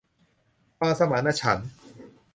ความสมานฉันท์